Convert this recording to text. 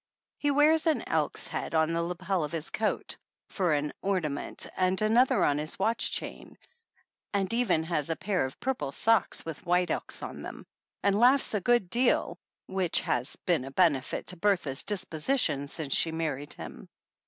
He wears an elk's head on the lapel of his coat 55 THE ANNALS OF ANN for an ornament and another on his watch chain, and even has a pair of purple socks with white elks on them, and laughs a good deal, which has been a benefit to Bertha's disposition since she married him.